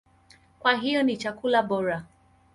Kwa hiyo ni chakula bora.